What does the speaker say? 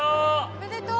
おめでとう！